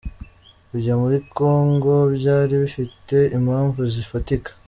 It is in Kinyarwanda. Kujya muri Congo byari bifite impamvu zifatika .